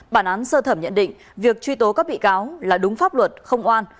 bản án sơ thẩm nhận định việc truy tố các bị cáo là đúng pháp luật không oan